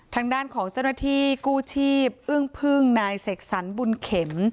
ทางด้านของเจ้าหน้าที่กู้ชีพอึ้งพึ่งนายเสกสรรบุญเข็ม